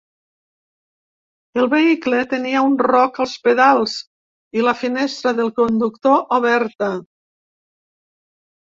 El vehicle tenia un roc als pedals i la finestra del conductor oberta.